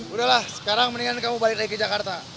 udahlah sekarang mendingan kamu balik lagi ke jakarta